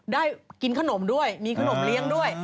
ได้กินขนมด้วยมีขนมเลี้ยงด้วย